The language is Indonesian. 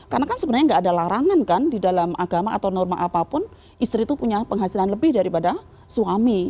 karena kan sebenarnya tidak ada larangan kan di dalam agama atau norma apapun istri itu punya penghasilan lebih daripada suami